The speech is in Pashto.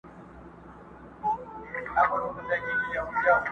د دوست دوست او د کافر دښمن دښمن یو.!